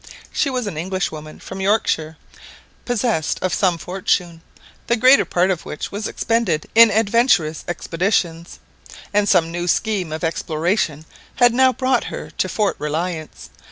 She was an Englishwoman from Yorkshire, possessed of some fortune, the greater part of which was expended in adventurous expeditions, and some new scheme of exploration had now brought her to Fort Reliance.